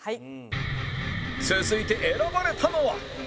続いて選ばれたのは